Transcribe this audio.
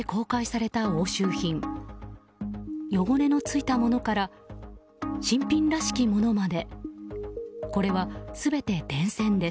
汚れのついたものから新品らしきものまで。